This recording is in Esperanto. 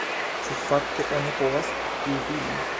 Ĉu fakte oni povas jubili?